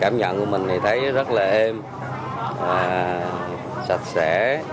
cảm nhận của mình thì thấy rất là êm sạch sẽ